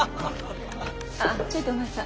あっちょいとお前さん。